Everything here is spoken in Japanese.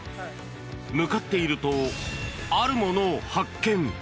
向かっているとあるものを発見。